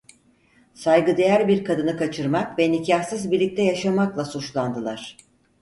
Saygıdeğer bir kadını kaçırmak ve nikahsız birlikte yaşamakla suçlandılar.